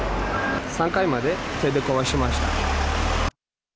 ３階まで手で壊しました。